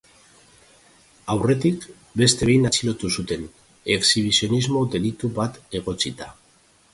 Aurretik, beste behin atxilotu zuten, exhibizionismo delitu bat egotzita.